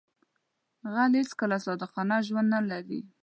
غل هیڅکله صادقانه ژوند نه لري